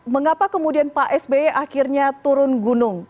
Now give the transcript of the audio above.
mengapa kemudian pak sby akhirnya turun gunung